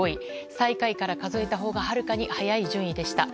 最下位から数えたほうがはるかに早い順位でした。